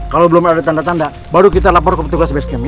kalau belum ada tanda tanda baru kita lapor ke petugas base camp